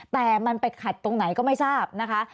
แต่มันไปขัดตรงไหนก็ไม่ทราบนะคะ